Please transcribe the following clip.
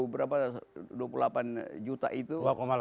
berapa dua puluh delapan juta itu